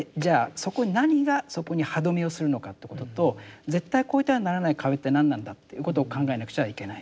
そこに何がそこに歯止めをするのかということと絶対超えてはならない壁って何なんだっていうことを考えなくちゃいけない。